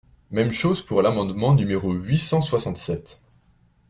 Même chose pour l’amendement numéro huit cent soixante-sept.